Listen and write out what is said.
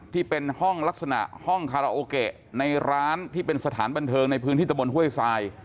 ที่เป็นห้องลักษณะห้องคาราโอเกะในร้านที่เป็นสถานบันเทิงในพื้นที่ตะบนห้วยทราย